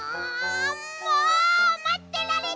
もうまってられない！